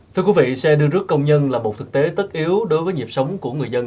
thưa quý vị xe đưa rước công nhân là một thực tế tất yếu đối với nhịp sống của người dân